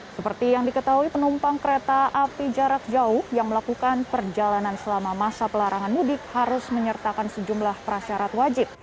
seperti yang diketahui penumpang kereta api jarak jauh yang melakukan perjalanan selama masa pelarangan mudik harus menyertakan sejumlah prasyarat wajib